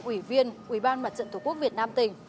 ủy viên ủy ban mặt trận tổ quốc việt nam tỉnh